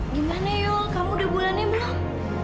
gimana yuk kamu udah bulannya belum